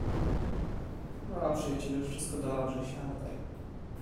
"No, przyjacielu, już wszystko dobrze, siadaj."